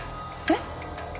えっ？